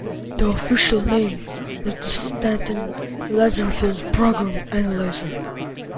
The official name was the Stanton-Lazarsfeld Program Analyzer.